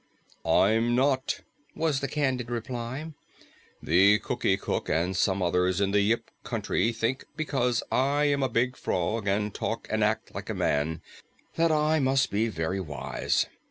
"I'm not," was the candid reply. "The Cookie Cook and some others in the Yip Country think because I am a big frog and talk and act like a man that I must be very wise.